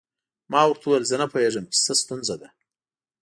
ما ورته وویل زه نه پوهیږم چې څه ستونزه ده.